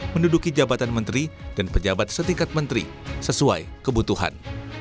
menduduki jabatan menteri dan pejabat setingkat menteri sesuai kebutuhan